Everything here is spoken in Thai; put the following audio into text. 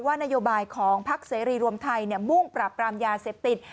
นโยบายของพักเสรีรวมไทยมุ่งปราบปรามยาเสพติด